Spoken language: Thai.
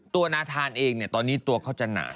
นาธานเองเนี่ยตอนนี้ตัวเขาจะหนา